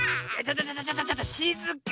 ちょっとちょっとしずかに。